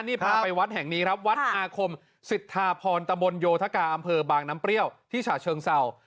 นี่พาไปวัดแห่งนี้ครับวัดอาคมสิทธาพรตะบนโยธกาอำเภอบางน้ำเปรี้ยวที่ฉะเชิงเศร้า